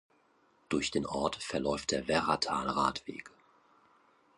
Durch den Ort verläuft der Werratal-Radweg.